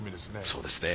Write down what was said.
そうですね。